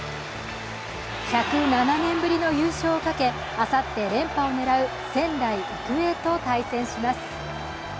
１０７年ぶりの優勝をかけ、あさって連覇を狙う仙台育英と対戦します。